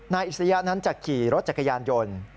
อิสริยะนั้นจะขี่รถจักรยานยนต์